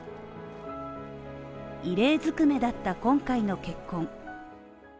異例ずくめだった今回の結婚。